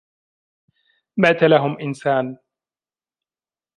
مَاتَ لَهُمْ إنْسَانٌ